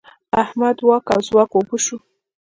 د احمد واک او ځواک اوبه شو.